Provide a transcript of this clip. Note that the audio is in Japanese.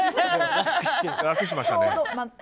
楽しましたね。